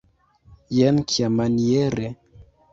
Jen kiamaniere!